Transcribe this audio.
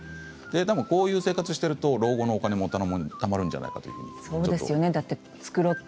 こういう生活していると老後のお金もたまるじゃないかなって。